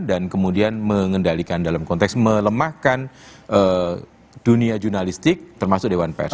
dan kemudian mengendalikan dalam konteks melemahkan dunia jurnalistik termasuk dewan pers